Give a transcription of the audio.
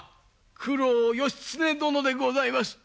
九郎義経殿でございます。